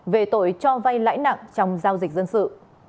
về tội cho vay lãi nặng trong giao dịch dân sự